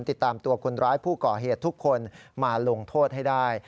ติดตามตัวคนร้ายผู้ก่อเหตุทุกคนมาลงโทษให้ได้